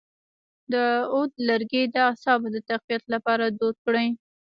د عود لرګی د اعصابو د تقویت لپاره دود کړئ